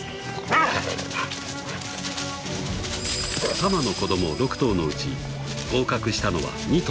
［タマの子供６頭のうち合格したのは２頭］